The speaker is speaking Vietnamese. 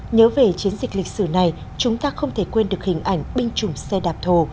nhớ về chiến dịch lịch sử này chúng ta không thể quên được hình ảnh binh chủng xe đạp thổ